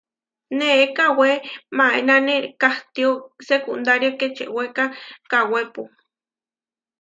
Neé kawé maénane kahtió sekundária kečewéka kawépu.